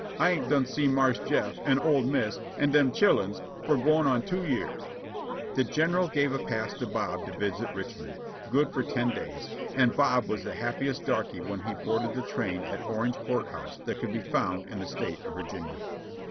I ain't done see Marse Jeff, an old Miss, an' dem chilluns for gwine on two years." I 662 JOHNNY REB AND BILLY YANK The General gave a pass to Bob to visit Richmond, good for ten days, and Bob was the happiest darky when he boarded the train at Orange Court House that could be found in the State of Virginia.